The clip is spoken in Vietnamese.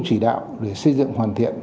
chỉ đạo để xây dựng hoàn thiện